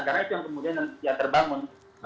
karena itu yang kemudian terbangun